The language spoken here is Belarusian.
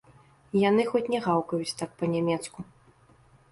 Яны хоць не гаўкаюць так па-нямецку.